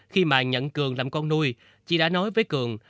khi mà nhận cường làm con nuôi chị đã nói với cường